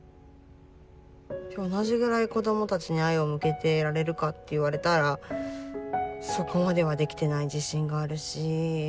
同じぐらい子どもたちに愛を向けてられるかって言われたらそこまではできてない自信があるし。